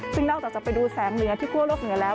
ซึ่งนอกจากจะไปดูแสงเหนือที่คั่วโลกเหนือแล้ว